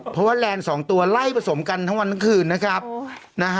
เพราะว่าแลนด์๒ตัวไล่ผสมกันทั้งวันทั้งคืน